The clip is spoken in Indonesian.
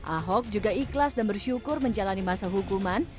ahok juga ikhlas dan bersyukur menjalani masa hukuman